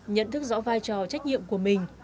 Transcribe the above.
nhận thức rõ vai trò trách nhiệm của mình